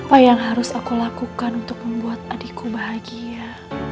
apa yang harus aku lakukan untuk membuat adikku bahagia